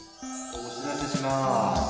おしらせします。